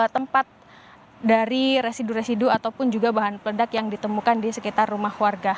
tempat dari residu residu ataupun juga bahan peledak yang ditemukan di sekitar rumah warga